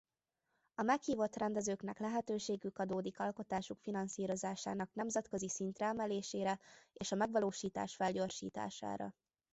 A meghívott rendezőknek lehetőségük adódik alkotásuk finanszírozásának nemzetközi szintre emelésére és a megvalósítás felgyorsítására.